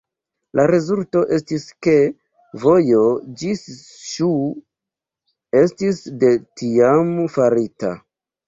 La rezulto estis ke vojo ĝis Ŝu estis de tiam farita.